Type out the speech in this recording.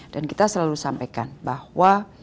dan kita selalu sampaikan bahwa